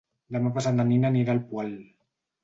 Demà passat na Nina anirà al Poal.